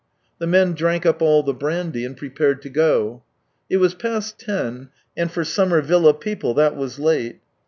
The men drank up all the brandy, and prepared to go. It was past ten, and for summer villa people that was late.